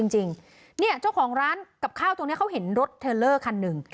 เจ้าของร้านกับข้าวตรงนี้เขาเห็นรถเทอร์เลอร์คันหนึ่ง